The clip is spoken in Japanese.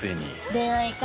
恋愛か。